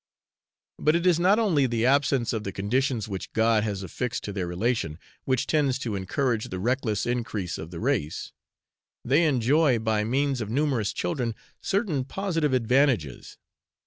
But it is not only the absence of the conditions which God has affixed to the relation, which tends to encourage the reckless increase of the race; they enjoy, by means of numerous children, certain positive advantages.